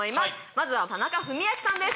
まずは田中史朗さんです